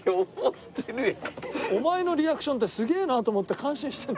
お前のリアクションってすげえなって思って感心して。